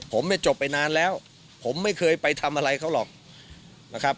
ผมไม่จบไปนานแล้วผมไม่เคยไปทำอะไรเขาหรอก